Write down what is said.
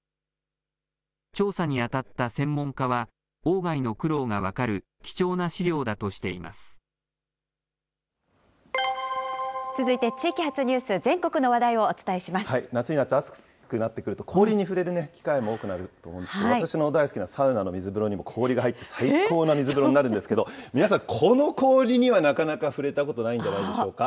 調査に当たった専門家は、鴎外の苦労が分かる貴重な資料だとして続いて地域発ニュース、全国夏になって暑くなってくると、氷に触れる機会も多くなると思うんですけど、私の大好きなサウナの水風呂にも氷が入って、最高の水風呂になるんですけれども、皆さん、この氷にはなかなか触れたことないんじゃないでしょうか。